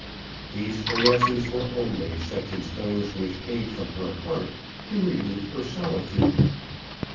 These caresses were only such as those which came from her heart, to relieve her solitude.